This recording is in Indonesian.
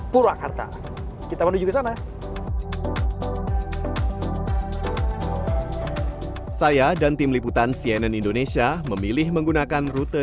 purwakarta kita menuju ke sana saya dan tim liputan cnn indonesia memilih menggunakan rute